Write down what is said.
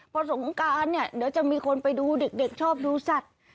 พอสงการเนี่ยเดี๋ยวจะมีคนไปดูเด็กชอบดูสัตว์